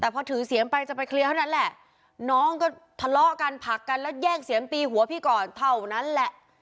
แต่พอถือเสียงไปจะไปเคลียร์เท่านั้นแหละน้องก็ทะเลาะกันผลักกันแล้วแย่งเสียงตีหัวพี่ก่อนเท่านั้นแหละ